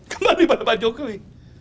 kembali kepada pak jokowi